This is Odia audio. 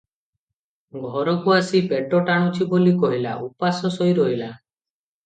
ଘରକୁ ଆସି ପେଟ ଟାଣୁଛିବୋଲି କହିଲା, ଉପାସ ଶୋଇରହିଲା ।